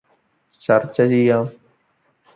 ചര്ച്ച ചെയ്യാം